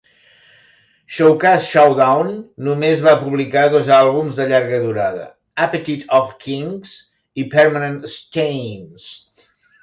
Showcase Showdown només va publicar dos àlbums de llarga durada, "Appetite of Kings" i "Permanent Stains".